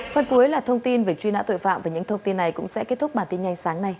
phần cuối là thông tin về truy nã tội phạm và những thông tin này cũng sẽ kết thúc bản tin nhanh sáng nay